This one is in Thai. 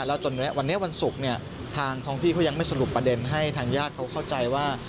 แล้วจนวันนี้วันศุกร์เนี่ยทางท้องพี่เขายังไม่สรุปประเด็นให้ทางญาติเขาเข้าใจว่า